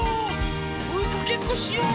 おいかけっこしよう。